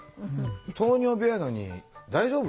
糖尿病やのに大丈夫？